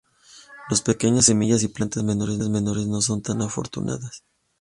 Las pequeñas semillas y plantas menores no son tan afortunadas.